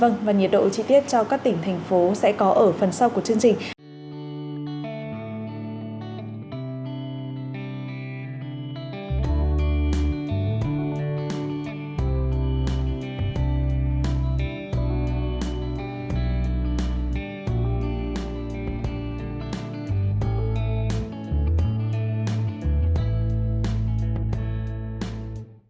vâng và nhiệt độ chi tiết cho các tỉnh thành phố sẽ có ở phần sau của chương trình